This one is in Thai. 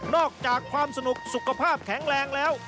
อกจากความสนุกสุขภาพแข็งแรงแล้ว